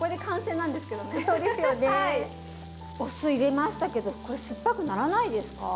お酢入れましたけどこれ酸っぱくならないですか？